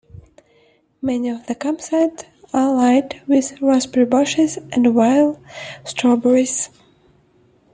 Many of the campsites are lined with raspberry bushes and wild strawberries.